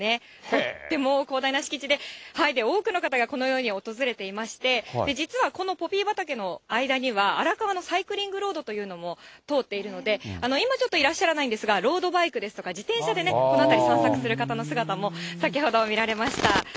とっても広大な敷地で、多くの方がこのように訪れていまして、実はこのポピー畑の間には、荒川のサイクリングロードというのも通っているので、今、ちょっといらっしゃらないんですが、ロードバイクですとか自転車でこの辺り、散策する方の姿も先ほど見られました。